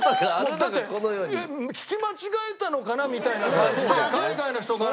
もうだって聞き間違えたのかなみたいな感じで海外の人から。